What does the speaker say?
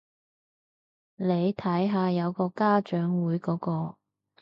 你睇下有個家長會嗰個